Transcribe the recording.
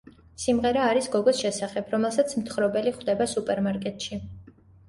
სიმღერა არის გოგოს შესახებ, რომელსაც მთხრობელი ხვდება სუპერმარკეტში.